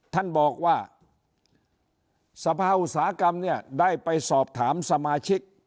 ท่านบอกว่าสภาอุตสาหกรรมเนี่ยได้ไปสอบถามสมาชิก